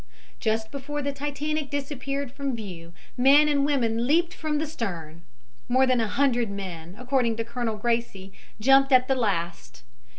Just before the Titanic disappeared from view men and women leaped from the stern. More than a hundred men, according to Colonel Gracie, jumped at the last.